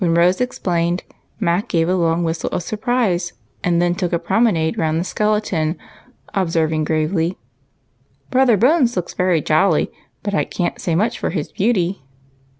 Rose explained, Mac gave a long whistle of surprise, and then took a promenade round the skeleton, ob serving gravely, — "Brother Bones looks very jolly, but I can't say much for his beauty."